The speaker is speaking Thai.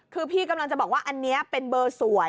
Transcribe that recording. คือพี่กำลังจะบอกว่าอันนี้เป็นเบอร์สวย